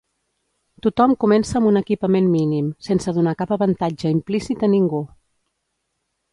Tothom comença amb un equipament mínim, sense donar cap avantatge implícit a ningú.